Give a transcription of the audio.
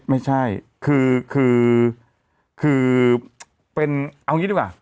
ไม่ใช่คือเป็นเอางี้ดีกว่า